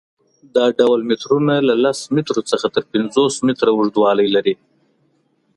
دا ډول مترونه له لس مترو څخه تر پنځوس متره اوږدوالی لري.